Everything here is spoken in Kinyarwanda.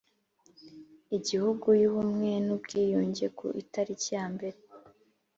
Igihugu y Ubumwe n Ubwiyunge ku itariki ya mbere